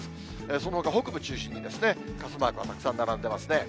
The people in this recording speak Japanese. そのほか北部中心に、傘マークがたくさん並んでますね。